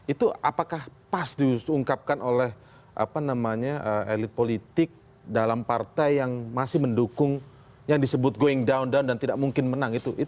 itu apakah pas diungkapkan oleh elit politik dalam partai yang masih mendukung yang disebut going down down dan tidak mungkin menang